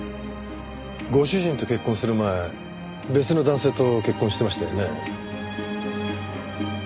ご主人と結婚する前別の男性と結婚してましたよね？